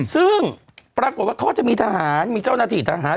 ซึ่งปรากฏว่าเขาจะมีทหารมีเจ้าหน้าที่ทหาร